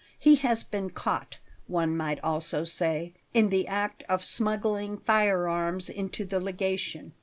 He has been caught one might almost say in the act of smuggling firearms into the Legation.